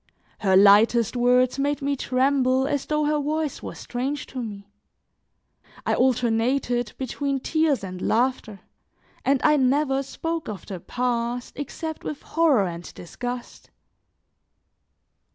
Her lightest words made me tremble as though her voice was strange to me; I alternated between tears and laughter, and I never spoke of the past except with horror and disgust.